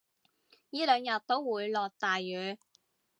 依兩日都會落大雨